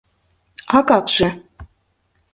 — А как же...